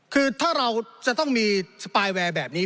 คือถ้าเราจะต้องมีสปายแวร์แบบนี้